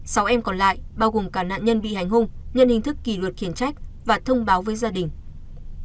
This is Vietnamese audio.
sáu em còn lại bao gồm cả nạn nhân bị hành hung nhận hình thức kỷ luật khiển trách và thông báo với gia đình